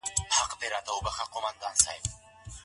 ولي هوډمن سړی د پوه سړي په پرتله بریا خپلوي؟